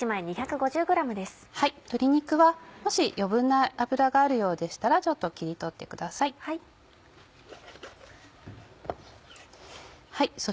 鶏肉はもし余分な脂があるようでしたらちょっと切り取ってください。